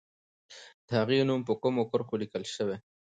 د هغې نوم په کومو کرښو لیکل سوی؟